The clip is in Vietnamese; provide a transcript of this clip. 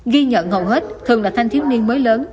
ghi nhận hầu hết thường là thanh thiếu niên mới lớn